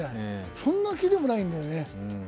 そんな気でもないんだよね。